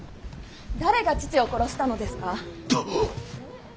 誰が父を殺したのですか。